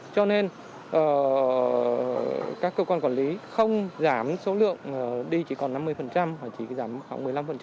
cho nên các cơ quan quản lý không giảm số lượng đi chỉ còn năm mươi hoặc chỉ giảm khoảng một mươi năm